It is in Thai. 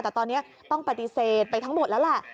แต่ตอนนี้ต้องปฏิเสธไปทั้งหมดแล้วแหละ